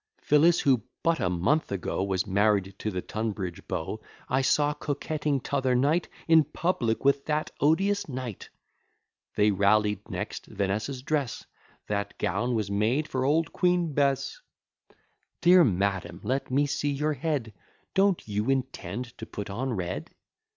Phillis, who but a month ago Was married to the Tunbridge beau, I saw coquetting t'other night In public with that odious knight! They rallied next Vanessa's dress: That gown was made for old Queen Bess. Dear madam, let me see your head: Don't you intend to put on red?